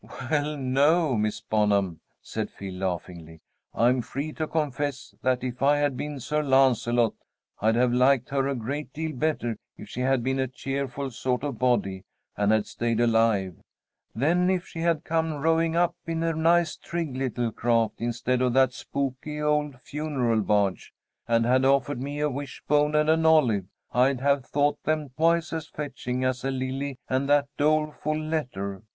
"Well, no, Miss Bonham," said Phil, laughingly. "I'm free to confess that if I had been Sir Lancelot, I'd have liked her a great deal better if she had been a cheerful sort of body, and had stayed alive. Then if she had come rowing up in a nice trig little craft, instead of that spooky old funeral barge, and had offered me a wish bone and an olive, I'd have thought them twice as fetching as a lily and that doleful letter.